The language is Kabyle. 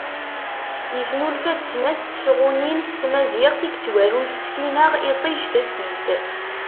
Yesnulfa-d snat n tesɣunin s tmaziɣt i yettwarun s tfinaɣ “Iṭij, Taftilt”.